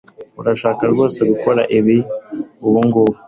urashaka rwose gukora ibi ubungubu